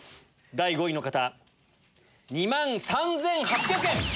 第５位の方２万３８００円。